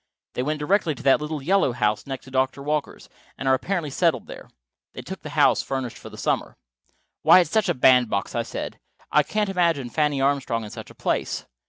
They went directly to that little yellow house next to Doctor Walker's, and are apparently settled there. They took the house furnished for the summer." "Why, it's a bandbox," I said. "I can't imagine Fanny Armstrong in such a place."